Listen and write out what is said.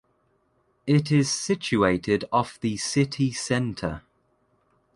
It is situated off the city centre.